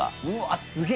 すげえ。